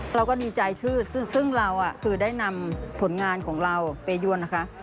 เราก็ดีใจขึ้นซึ่งเราคือได้นำผลงานของเราเปรยวนนะคะ